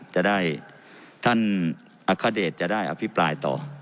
จะได้ท่านอัคเดชจะได้อภิปรายต่อ